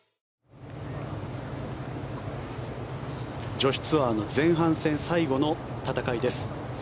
女子ツアーの前半戦最後の戦いです。